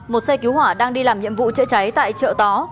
một xe cứu hỏa đang đi làm nhiệm vụ chữa cháy tại chợ tó